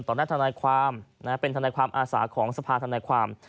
ตอนนั้นธนายความเป็นธนายความอาศาของสภาษณ์ธนายความ